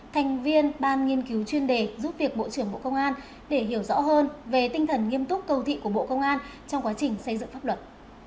thành viên ban nghiên cứu chuyên đề giúp việc bộ trưởng bộ công an để hiểu rõ hơn về tinh thần nghiêm túc cầu thị của bộ công an trong quá trình xây dựng pháp luật